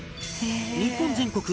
日本全国